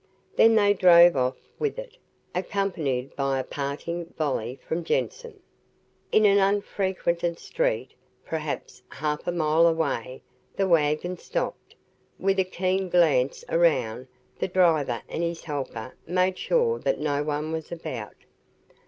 Then they drove off with it, accompanied by a parting volley from Jensen. In an unfrequented street, perhaps half a mile away, the wagon stopped. With a keen glance around, the driver and his helper made sure that no one was about.